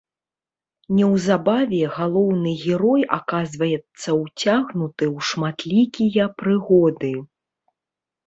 Неўзабаве галоўны герой аказваецца ўцягнуты ў шматлікія прыгоды.